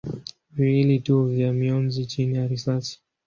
viwili tu vya mionzi chini ya risasi.